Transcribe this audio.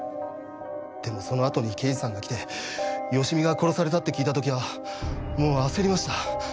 でもそのあとに刑事さんが来て芳美が殺されたって聞いた時はもう焦りました。